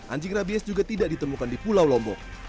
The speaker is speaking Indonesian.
anjing rabies juga tidak ditemukan di pulau lombok